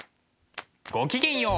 ごきげんよう！